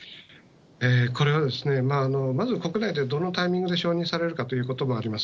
これは、まず国内でどのタイミングで承認されるかということもあります。